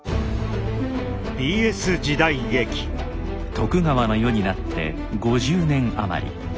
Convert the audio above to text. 徳川の世になって５０年余り。